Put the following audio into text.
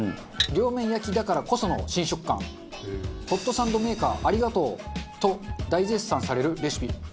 「両面焼きだからこその新食感」「ホットサンドメーカーありがとう」と大絶賛されるレシピ。